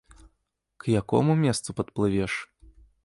К якому месцу падплывеш?